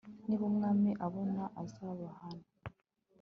niba umwami abona azabahana